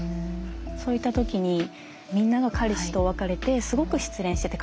そういった時にみんなが彼氏と別れてすごく失恋してて悲しそう。